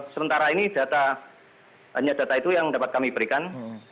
sementara ini data hanya data itu yang dapat kami berikan